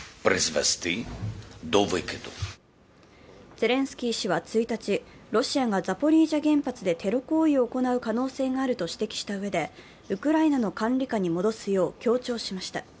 ゼレンスキー氏は１日、ロシアがザポリージャ原発でテロ行為を行う可能性があると指摘したうえで、ウクライナの管理下に戻すよう強調しました。